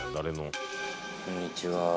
こんにちは。